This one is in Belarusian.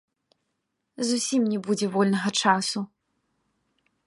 Зусім не будзе вольнага часу.